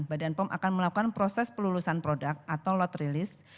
badan pom akan melakukan proses pelulusan produk atau load release